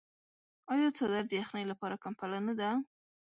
آیا څادر د یخنۍ لپاره کمپله نه ده؟